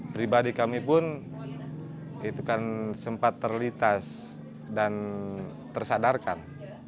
pribadi kami pun sempat terlitas dan tersadarkan